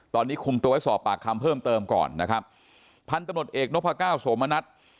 ตอนนี้คุมตัวไว้สอบปากคำเพิ่มเติมก่อนนะครับพันธุ์ตำรวจเอกนพก้าวโสมณัฐ